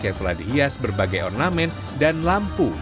yang telah dihias berbagai ornamen dan lampu